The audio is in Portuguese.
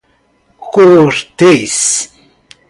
Cortês